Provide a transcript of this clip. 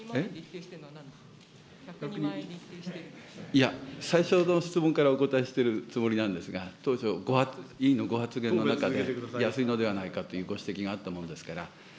いや、最初の質問からお答えしてるつもりなんですが、当初、委員のご発言の中で、安いのではないかというご指摘があったもんですから。